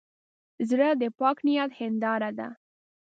زړه د پاک نیت هنداره ده.